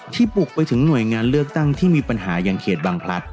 บุกไปถึงหน่วยงานเลือกตั้งที่มีปัญหาอย่างเขตบางพลัด